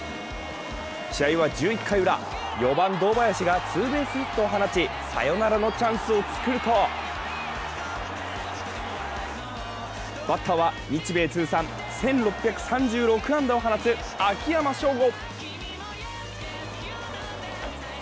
試合は１１回ウラ、４番・堂林がツーベースヒットを放ちサヨナラのチャンスを作るとバッターは日米通算１６３６安打を放つ秋山翔吾。